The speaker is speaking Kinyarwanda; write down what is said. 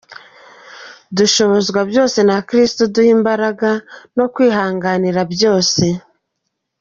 Dushobozwa byose na christo uduha imbaraga no kwihanganira byose.